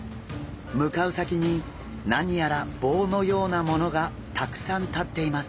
向かう先に何やら棒のようなものがたくさん立っています。